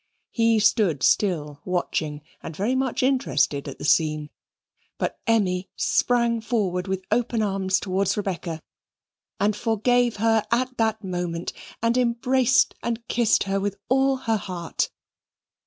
He stood still watching, and very much interested at the scene; but Emmy sprang forward with open arms towards Rebecca, and forgave her at that moment, and embraced her and kissed her with all her heart.